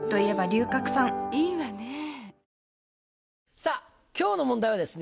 さぁ今日の問題はですね